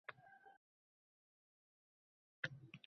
Mamlakat hayotida yuz berayotgan voqealarni muntazam kuzatib borishi